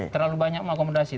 terlalu banyak mengakomodasi